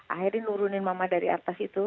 akhirnya nurunin mama dari atas itu